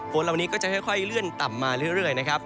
ฝนเหล่านี้ก็จะค่อยเลื่อนต่ำมาเรื่อยนะครับ